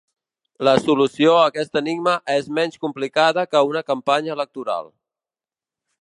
La solució a aquest enigma és menys complicada que una campanya electoral.